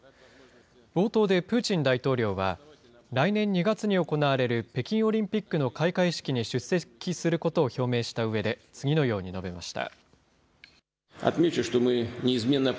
冒頭でプーチン大統領は、来年２月に行われる北京オリンピックの開会式に出席することを表明したうえで、次のように述べました。